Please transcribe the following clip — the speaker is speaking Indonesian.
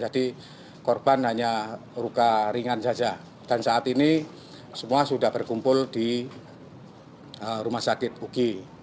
jadi korban hanya ruka ringan saja dan saat ini semua sudah berkumpul di rumah sakit ug